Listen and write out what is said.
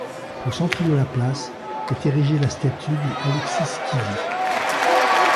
Au centre de la place est érigée la statue de Aleksis Kivi.